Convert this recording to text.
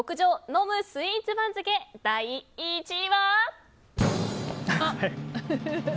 飲むスイーツ番付第１位は。